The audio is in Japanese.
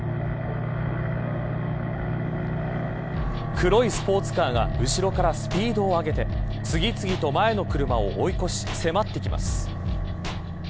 黒いスポーツカーが後ろからスピードを上げて次々と前の車を追い越し迫ってきます。